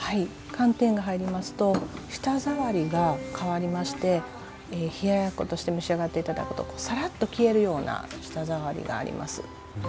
寒天が入りますと舌ざわりが変わりまして冷ややっことして召し上がって頂くとさらっと消えるような舌ざわりがあります。